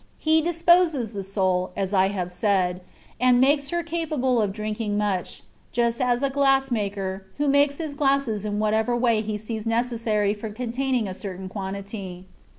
He disposes the soul (as I said), and makes her capable of drinking much, just as a glass maker, who makes his glasses in whatever way he sees necessary for containing a certain quantity.